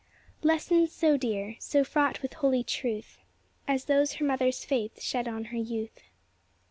"Lessons so dear, so fraught with holy truth As those her mother's faith shed on her youth."